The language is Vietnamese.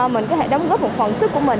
mình có thể đóng góp một phần sức của mình